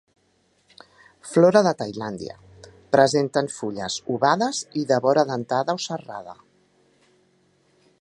Flora de Tailàndia. Presenten fulles ovades i de vora dentada o serrada.